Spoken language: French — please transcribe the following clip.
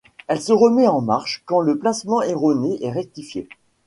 Elle se remet en marche quand le placement erroné est rectifié.